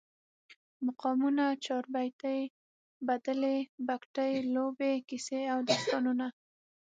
مقامونه، چاربیتې، بدلې، بګتی، لوبې، کیسې او داستانونه